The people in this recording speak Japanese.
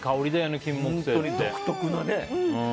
本当に独特のね。